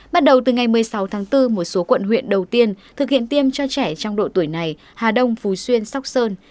bắt đầu từ ngày một mươi sáu tháng bốn một số quận huyện đầu tiên thực hiện tiêm cho trẻ trong độ tuổi này hà đông phú xuyên sóc sơn